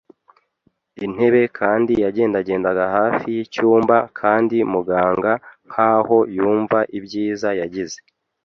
intebe kandi yagendagendaga hafi y'icyumba, kandi muganga, nkaho yumva ibyiza, yagize